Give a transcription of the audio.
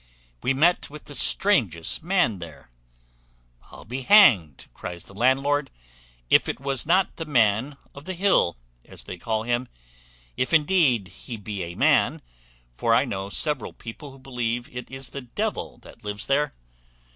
We met with the strangest man there." "I'll be hanged," cries the landlord, "if it was not the Man of the Hill, as they call him; if indeed he be a man; but I know several people who believe it is the devil that lives there."